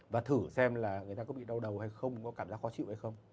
và thử xem là người ta có bị đau đầu hay không có cảm giác khó chịu hay không